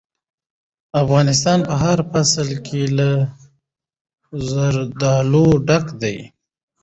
افغانستان په هر فصل کې له زردالو ډک دی.